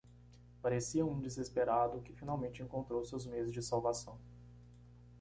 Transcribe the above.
Parecia um desesperado que finalmente encontrou seus meios de salvação.